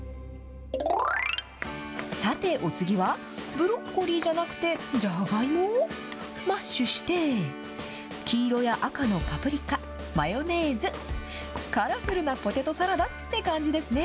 さてお次は、ブロッコリーじゃなくて、じゃがいも？マッシュして、黄色や赤のパプリカ、マヨネーズ、カラフルなポテトサラダって感じですね。